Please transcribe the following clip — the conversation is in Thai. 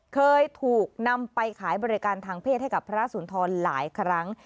เคยถูกนำไปขายบริการทางเพศให้กับพระสุนทรหลายครั้ง